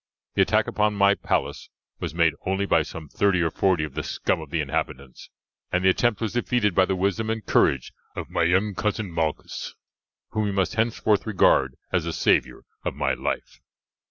The attack upon my palace was made only by some thirty or forty of the scum of the inhabitants, and the attempt was defeated by the wisdom and courage of my young cousin Malchus, whom you must henceforth regard as the saviour of my life."